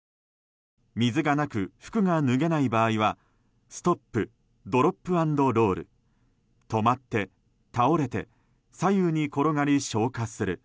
水がなく服が脱げない場合はストップ、ドロップ＆ロール止まって、倒れて左右に転がり消火する。